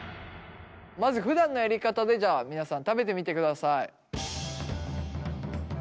まずふだんのやり方でじゃあ皆さん食べてみてください。